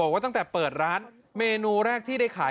ว่าตั้งแต่เปิดร้านเมนูแรกที่ได้ขาย